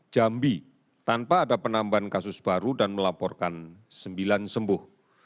jambi tanpa ada penambahan kasus baru dan melaporkan sembilan sembuh